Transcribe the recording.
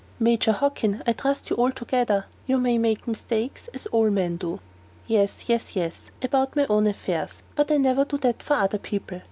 "Major Hockin, I trust you altogether. You may make mistakes, as all men do " "Yes, yes, yes. About my own affairs; but I never do that for other people.